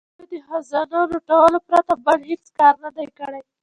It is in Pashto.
دوی د خزانو لوټلو پرته بل هیڅ کار نه دی کړی.